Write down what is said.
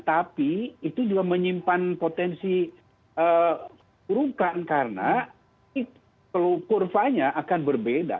tapi itu juga menyimpan potensi urukan karena kurvanya akan berbeda